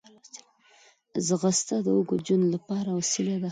ځغاسته د اوږد ژوند لپاره وسیله ده